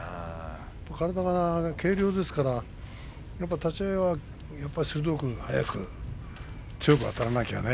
体が軽量ですから立ち合いは鋭く速く強くあたらなきゃね。